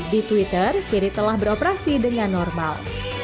di twitter kini telah beroperasi dengan normal